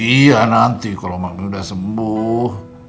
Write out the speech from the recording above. iya nanti kalau maknya udah sembuh